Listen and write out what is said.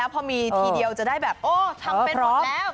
พอมีทีเดียวจะได้แบบโอ้ทำเป็นหมดแล้ว